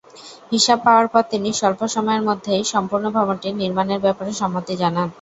হিসাব পাওয়ার পর তিনি স্বল্প সময়ের মধ্যেই সম্পূর্ণ ভবনটির নির্মাণ এর ব্যাপারে সম্মতি জানান।